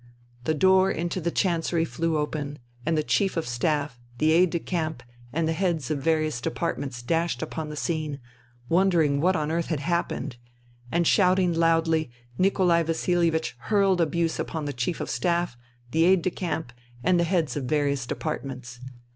The door into the chancery flew open, and the Chief of Staff, the Aide de camp, and heads of various depart ments dashed upon the scene, wondering what on earth had happened ; and shouting loudly Nikolai Vasilievich hurled abuse upon the Chief of Staff, the Aide de camp, and the heads of various depart ments.